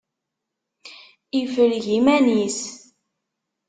Ifreg iman-is.